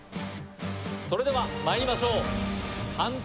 それではまいりましょう監督